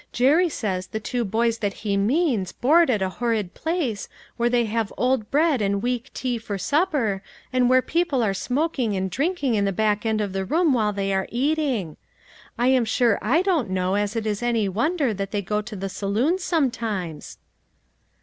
Jerry says the two boys that he PLEASUEE AND DISAPPOINTMENT. 201 means board at a horrid place, where they have old bread and weak tea for supper, and where people are smoking and drinking in the back end of the room while they are eating. I am sure I don't know as it is any wonder that they go to the saloons sometimes."